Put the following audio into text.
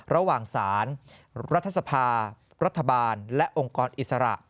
ระหว่างสารรัฐสภารัฐบาลและองค์กรอิสระ